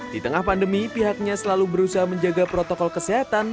di tengah pandemi pihaknya selalu berusaha menjaga protokol kesehatan